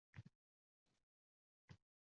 Hech bo‘lmasa, ko‘zdan pana qiling!